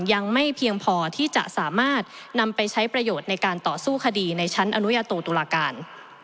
ยังไม่เพียงพอที่จะสามารถนำไปใช้ประโยชน์ในการต่อสู้คดีในชั้นอนุญาโตตุลาการ